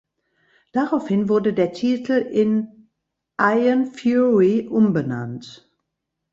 Daraufhin wurde der Titel in "Ion Fury" umbenannt.